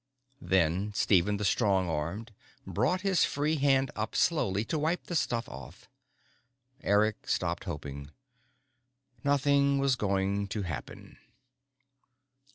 Then Stephen the Strong Armed brought his free hand up slowly to wipe the stuff off. Eric stopped hoping. Nothing was going to happen.